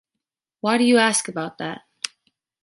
Why do you ask about that?